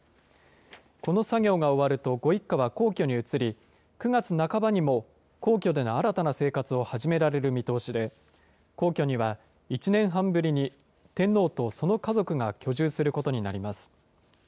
この作業が終わるとご一家は皇居に移り、９月半ばにも、皇居での新たな生活を始められる見通しで、皇居には１年半ぶりに、天皇とその家族が居住することになります。